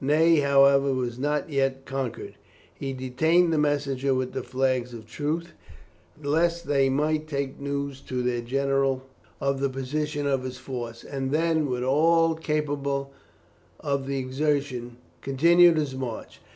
Ney, however, was not yet conquered. He detained the messengers with the flags of truce, lest they might take news to their general of the position of his force, and then, with all capable of the exertion, continued his march.